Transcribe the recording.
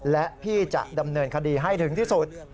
และพี่จะดำเนินคดีให้ถึงที่สุด